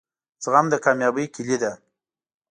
زغم دکامیابۍ کیلي ده